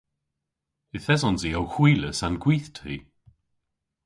Yth esons i ow hwilas an gwithti.